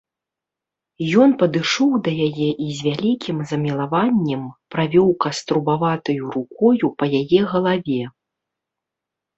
Ён падышоў да яе і з вялікім замілаваннем правёў каструбаватаю рукою па яе галаве.